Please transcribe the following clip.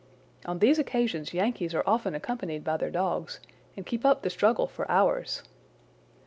On these occasions Yankees are often accompanied by their dogs, and keep up the struggle for hours.